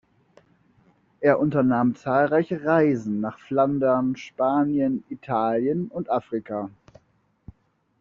Er unternahm zahlreiche Reisen nach Flandern, Spanien, Italien und Afrika.